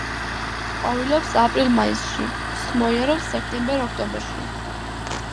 ყვავილობს აპრილ-მაისში, მსხმოიარობს სექტემბერ-ოქტომბერში.